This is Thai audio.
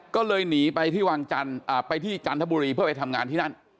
ก็เลยหนีไปที่วังจันทร์ไปที่จันทบุรีเพื่อไปทำงานที่นั่น